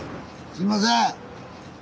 すいません！